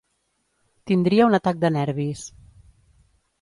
Tindria un atac de nervis.